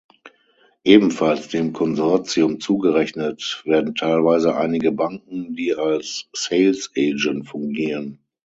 Ebenfalls dem Konsortium zugerechnet werden teilweise einige Banken, die als "Sales-Agent" fungieren.